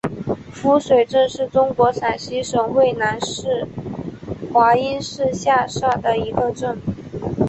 夫水镇是中国陕西省渭南市华阴市下辖的一个镇。